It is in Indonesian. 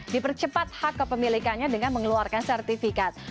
dipercepat hak kepemilikannya dengan mengeluarkan sertifikat